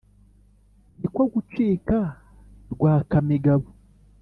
Ni ko gucika Rwakamigabo.